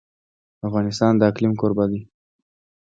افغانستان د اقلیم کوربه دی.